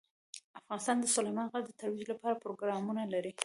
افغانستان د سلیمان غر د ترویج لپاره پروګرامونه لري.